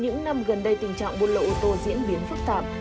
những năm gần đây tình trạng buôn lộ ô tô diễn biến phức tạp